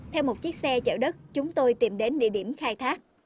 theo một chiếc xe chở đất chúng tôi tìm đến địa điểm khai thác